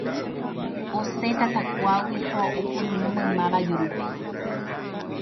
Osẽ tatakuágui ha opururũ maymáva jurúpe.